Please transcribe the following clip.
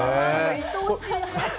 いとおしい。